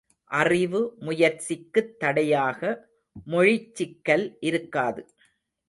அறிவு முயற்சிக்குத் தடையாக மொழிச்சிக்கல் இருக்காது!